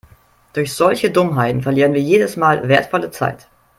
Durch solche Dummheiten verlieren wir jedes Mal wertvolle Zeit.